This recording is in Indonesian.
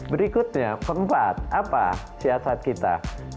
berikutnya keempat apa siasat kita